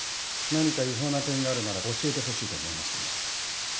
何か違法な点があるなら教えてほしいと思いましてね。